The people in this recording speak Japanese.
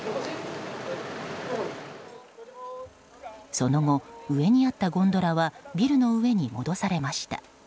その後、上にあったゴンドラはビルの上に戻されました。